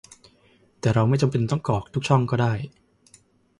แต่เราไม่จำเป็นต้องกรอกทุกช่องก็ได้